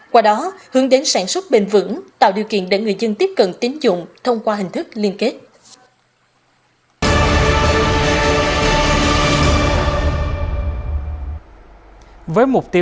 qua đó hướng đến sản xuất bền vững tạo điều kiện để người dân tiếp cận tín dụng thông qua hình thức liên kết